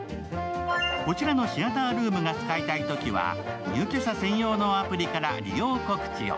こちらのシアタールームを使いたいときは入居者専用のアプリから利用告知を。